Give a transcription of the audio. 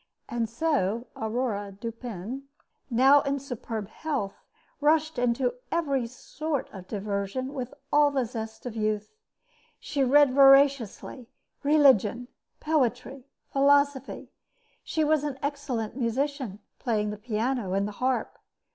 And so Aurore Dupin, now in superb health, rushed into every sort of diversion with all the zest of youth. She read voraciously religion, poetry, philosophy. She was an excellent musician, playing the piano and the harp.